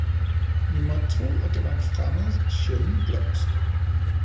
Vi måtte tro at det var en fremmed, sjælden blomst